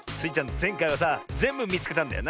ぜんかいはさぜんぶみつけたんだよな。